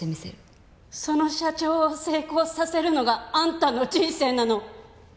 その社長を成功させるのがあんたの人生なの？